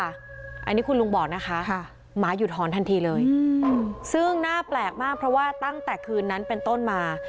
อันนี้คุณลุงบอกนะคะหมาหยุดถอนทันทีเลยซึ่งน่าแปลกมากเพราะว่าตั้งแต่คืนนั้นเป็นต้นมา